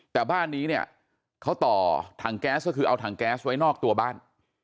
แต่บ้านนี้เนี่ยเขาต่อถังแก๊สก็คือเอาถังแก๊สไว้นอกตัวบ้าน